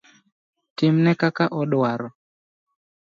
Timne kaka odwaro.